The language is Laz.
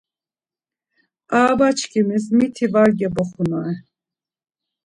Arabaçkimis miti var gevoxunare.